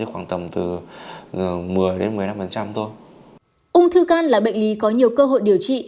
ung thư gan là bệnh lý có nhiều cơ hội điều trị